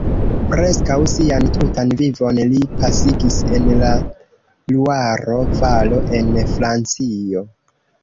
Preskaŭ sian tutan vivon li pasigis en la Luaro-valo en Francio.